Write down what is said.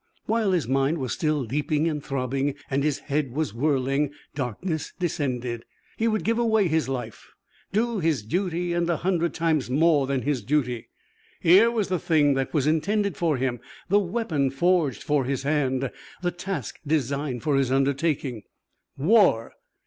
While his mind was still leaping and throbbing and his head was whirling, darkness descended. He would give away his life, do his duty and a hundred times more than his duty. Here was the thing that was intended for him, the weapon forged for his hand, the task designed for his undertaking. War.